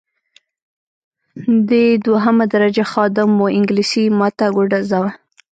دی دوهمه درجه خادم وو انګلیسي یې ماته ګوډه زده وه.